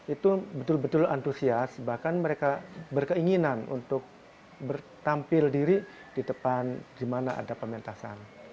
itu betul betul antusias bahkan mereka berkeinginan untuk bertampil diri di depan di mana ada pementasan